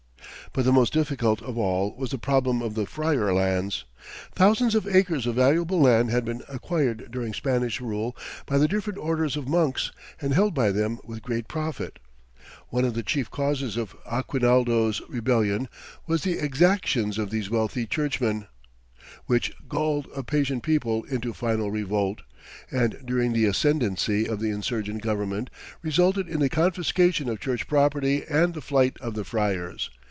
But the most difficult of all was the problem of the friar lands. Thousands of acres of valuable land had been acquired during Spanish rule by the different orders of monks, and held by them with great profit. One of the chief causes of Aguinaldo's rebellion was the exactions of these wealthy churchmen, which galled a patient people into final revolt, and during the ascendancy of the insurgent government resulted in the confiscation of Church property and the flight of the friars.